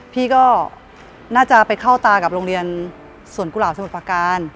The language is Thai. พี่ก็น่าจะไปเข้าตากับโรงเรียนสวนกุหลาบสมุทรประการ